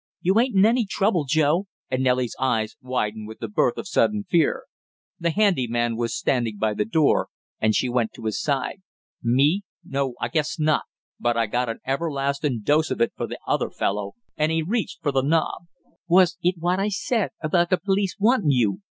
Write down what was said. "You ain't in any trouble, Joe?" and Nellie's eyes widened with the birth of sudden fear. The handy man was standing by the door, and she went to his side. "Me? No, I guess not; but I got an everlastin' dose of it for the other fellow!" and he reached for the knob. "Was it what I said about the police wantin' you?"